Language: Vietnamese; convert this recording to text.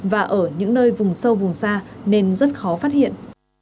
và ở những nơi vùng sâu vùng xa nên rất khó phát hiện